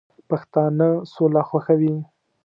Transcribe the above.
پښتانه سوله خوښوي